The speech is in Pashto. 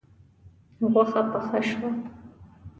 غوښه پخه شوه